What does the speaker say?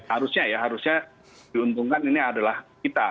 harusnya ya harusnya diuntungkan ini adalah kita